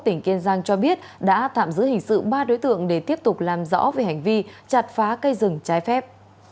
tỉnh kiên giang cho biết đã tạm giữ hình sự ba đối tượng để tiếp tục làm rõ về hành vi chặt phá cây rừng trái phép